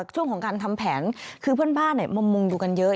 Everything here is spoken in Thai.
ช่วงของการทำแผนคือเพื่อนบ้านมามุงดูกันเยอะ